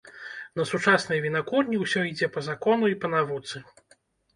На сучаснай вінакурні ўсё ідзе па закону і па навуцы.